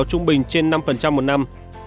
tỷ lệ hộ nghèo trung bình trên năm một năm